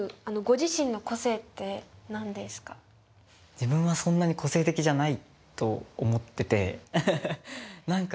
自分はそんなに個性的じゃないと思っててアハハ。